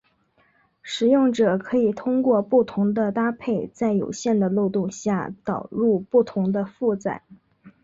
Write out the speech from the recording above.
使用者可以通过不同的搭配在有限的漏洞下导入不同的负载。